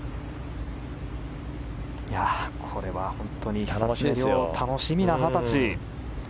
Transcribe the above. これは本当に久常涼楽しみな二十歳。